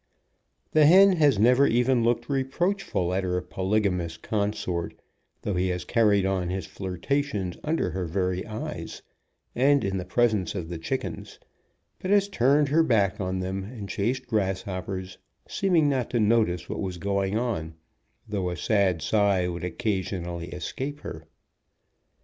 The hen has never even looked reproachful at her polygamous consort, though he has carried on his flirtations under her very eyes, and in the presence of the chickens, but has turned her back on them, and chased grasshoppers, seeming not to notice what was going on, though a sigh would occasionally es cape her.